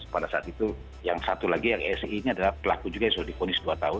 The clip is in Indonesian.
pada saat itu yang satu lagi yang si ini adalah pelaku juga yang sudah difonis dua tahun